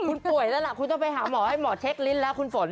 คุณป่วยแล้วล่ะคุณต้องไปหาหมอให้หมอเช็คลิ้นแล้วคุณฝน